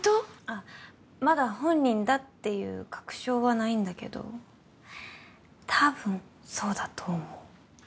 あまだ本人だっていう確証はないんだけど多分そうだと思う。